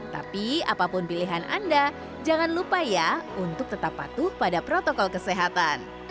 tapi apapun pilihan anda jangan lupa ya untuk tetap patuh pada protokol kesehatan